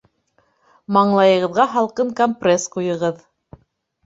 Маңлайығыҙға һалҡын компресс ҡуйығыҙ